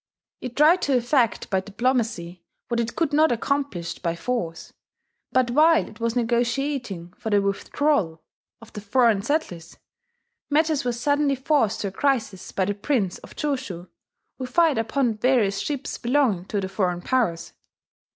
It tried to effect by diplomacy what it could not accomplish by force; but while it was negotiating for the withdrawal of the foreign' settlers, matters were suddenly forced to a crisis by the Prince of Choshu, who fired upon various ships belonging to the foreign powers.